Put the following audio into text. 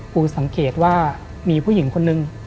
กูสังเกตว่ามีผู้หญิงคนนึง